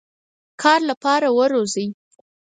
کار لپاره وروزی.